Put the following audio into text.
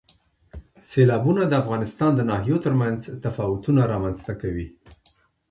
سیلابونه د افغانستان د ناحیو ترمنځ تفاوتونه رامنځ ته کوي.